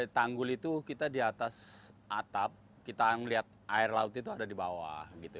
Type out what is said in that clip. tanggul itu kita di atas atap kita melihat air laut itu ada di bawah gitu